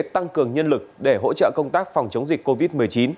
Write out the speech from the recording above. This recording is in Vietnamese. tăng cường nhân lực để hỗ trợ công tác phòng chống dịch covid một mươi chín